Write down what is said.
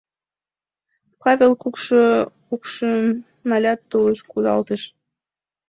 Павел кукшо укшым налят, тулыш кудалтыш.